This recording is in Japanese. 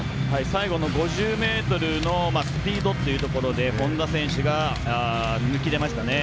最後の５０ｍのスピードっていうところで本多選手が抜き出ましたね。